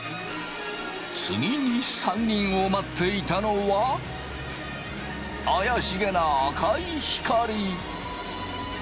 次に３人を待っていたのは怪しげな赤い光。